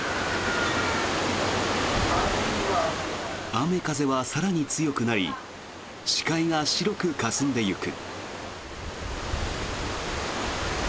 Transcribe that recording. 雨風は更に強くなり視界が白くかすんでいく。